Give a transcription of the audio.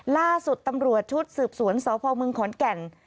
ล่าสุดตำรวจชุดสืบสวนสพเมืองขอนแก่น